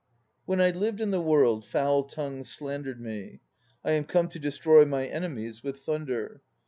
"When I lived in the world foul tongues slander d 1 me. I am come to destroy my enemies with thunder.